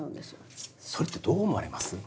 それってどう思われます？